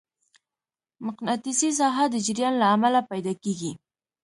مقناطیسي ساحه د جریان له امله پیدا کېږي.